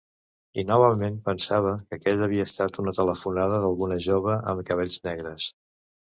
I novament pensava que aquella havia estat una telefonada d'alguna jove amb cabells negres...